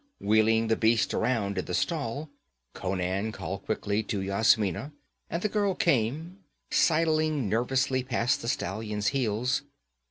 Wheeling the beast around in the stall, Conan called quickly to Yasmina, and the girl came, sidling nervously past the stallion's heels.